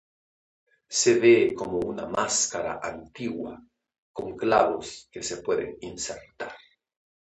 Se ve como una máscara antigua con clavos que se pueden insertar.